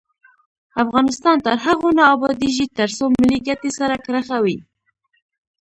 افغانستان تر هغو نه ابادیږي، ترڅو ملي ګټې سر کرښه وي.